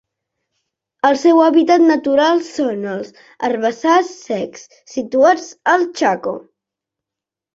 El seu hàbitat natural són els herbassars secs situats al Chaco.